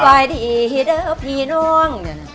สบายดีฮิตเอ้อพี่น้อง